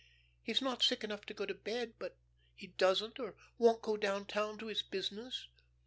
He's not sick enough to go to bed, but he doesn't or won't go down town to his business.